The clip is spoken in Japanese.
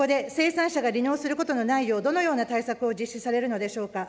そこで生産者が離農することのないよう、どのような対策を実施するのでしょうか。